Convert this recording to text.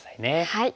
はい。